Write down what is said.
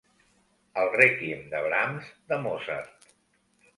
El rèquiem de Brahms, de Mozart.